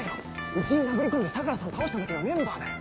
うちに殴り込んで相良さん倒した時のメンバーだよ。